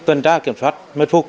tuân tra kiểm soát mất phục